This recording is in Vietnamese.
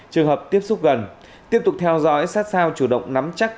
trường hợp tiếp xúc gần tiếp tục theo dõi sát sao chủ động nắm chắc